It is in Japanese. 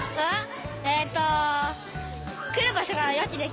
えっと。